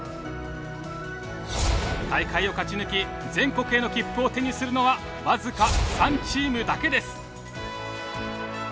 大会を勝ち抜き全国への切符を手にするのは僅か３チームだけです。